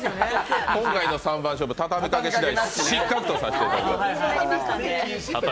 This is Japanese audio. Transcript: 今回の三番勝負ではたたみかけは失格とさせていただきます。